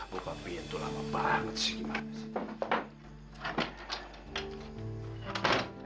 buka pintu lama banget sih